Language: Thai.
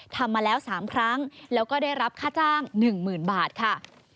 ทำมาแล้ว๓ครั้งแล้วก็ได้รับค่าจ้าง๑๐๐๐บาทค่ะ